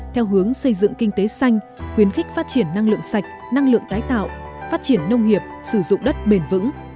theo hướng xây dựng kinh tế xanh khuyến khích phát triển năng lượng sạch năng lượng tái tạo phát triển nông nghiệp sử dụng đất bền vững